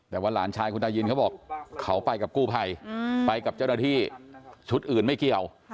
แต่ว่าหลานชายคุณตายินเขาบอกเขาไปกับกู้ภัยไปกับเจ้าหน้าที่ชุดอื่นไม่เกี่ยว